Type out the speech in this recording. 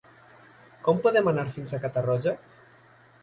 Com podem anar fins a Catarroja?